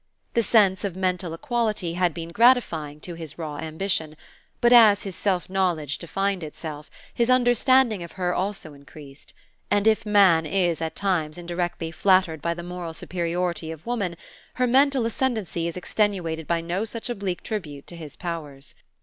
The sense of mental equality had been gratifying to his raw ambition; but as his self knowledge defined itself, his understanding of her also increased; and if man is at times indirectly flattered by the moral superiority of woman, her mental ascendency is extenuated by no such oblique tribute to his powers.